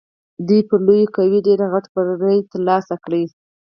دوی پر لویې قوې ډېر غټ بری تر لاسه کړی.